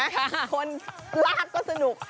โลกการลากก็สนุก